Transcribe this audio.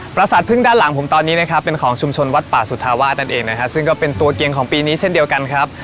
ประสาทพึ่งด้านหลังผมตอนนี้นะครับเป็นของชุมชนวัดป่าสุธาวาสนั่นเองนะครับซึ่งก็เป็นตัวเกียงของปีนี้เช่นเดียวกันครับ